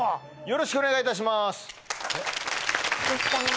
よろしくお願いします